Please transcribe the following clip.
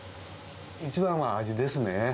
一番は味ですね。